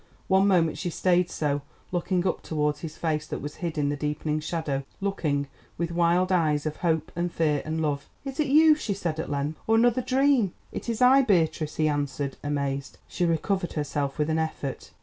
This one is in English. One moment she stayed so, looking up towards his face that was hid in the deepening shadow—looking with wild eyes of hope and fear and love. "Is it you," she said at length, "or another dream?" "It is I, Beatrice!" he answered, amazed. She recovered herself with an effort.